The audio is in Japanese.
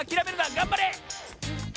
がんばれ！